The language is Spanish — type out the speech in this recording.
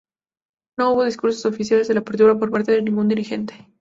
No hubo discursos oficiales de apertura por parte de ningún dirigente.